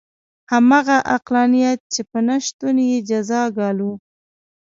همغه عقلانیت چې په نه شتون یې جزا ګالو.